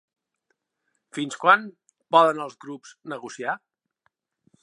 Fins quan poden els grups negociar?